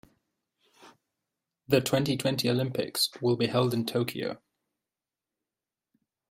The twenty-twenty Olympics will be held in Tokyo.